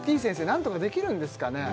なんとかできるんですかね？